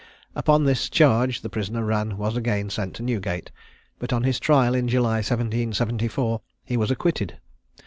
Upon this charge the prisoner Rann was again sent to Newgate; but on his trial in July 1774, he was acquitted.